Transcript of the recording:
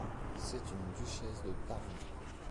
C'est une duchesse de Parme.